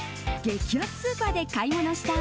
激安スーパーで買い物した